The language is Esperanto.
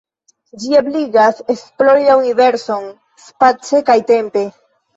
Ĝi ebligas esplori la universon, space kaj tempe.